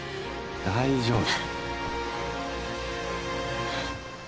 大丈夫。